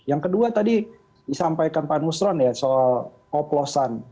yang kedua tadi disampaikan pak nusron ya soal oplosan